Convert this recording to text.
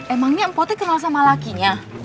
emangnya empatnya kenal sama lakinya